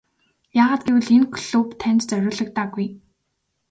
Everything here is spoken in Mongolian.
Яагаад гэвэл энэ клуб танд зориулагдаагүй.